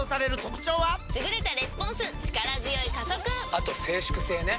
あと静粛性ね。